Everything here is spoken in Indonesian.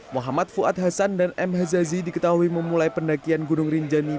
muhammad fuad hasan dan m hazazi diketahui memulai pendakian gunung rinjani